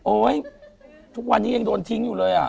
ทุกวันนี้ยังโดนทิ้งอยู่เลยอ่ะ